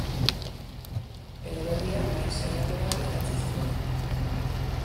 Eleberriak nahiz saiakerak idatzi zituen.